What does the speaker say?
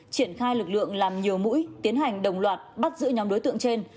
triển khai lực lượng làm nhiều mũi tiến hành đồng loạt bắt giữ nhóm đối tượng trên